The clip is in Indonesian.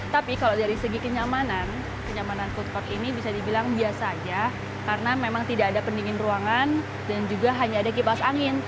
tapi kalau dari segi kenyamanan kenyamanan food court ini bisa dibilang biasa aja karena memang tidak ada pendingin ruangan dan juga hanya ada kipas angin